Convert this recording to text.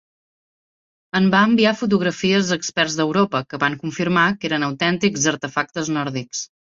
En va enviar fotografies a experts d'Europa, que van confirmar que eren autèntics artefactes nòrdics.